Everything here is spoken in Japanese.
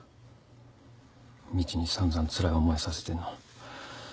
みちに散々つらい思いさせてるのも。